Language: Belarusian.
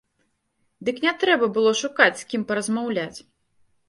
Дык не трэба было шукаць з кім паразмаўляць!